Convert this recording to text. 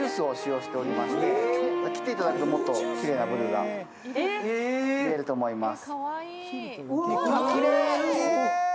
切っていただくと、もっときれいなブルーが見えると思います。